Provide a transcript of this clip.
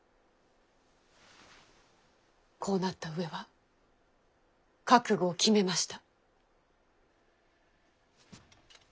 こうなった上は覚悟を決めました。